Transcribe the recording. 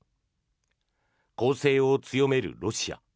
攻勢を強めるロシア。